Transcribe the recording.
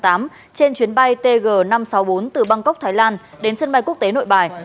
trên chuyến bay tg năm trăm sáu mươi bốn từ bangkok thái lan đến sân bay quốc tế nội bài